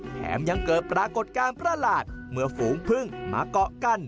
แถมยังเกิดปรากฏการณ์ประหลาดเมื่อฝูงพึ่งมาเกาะกัน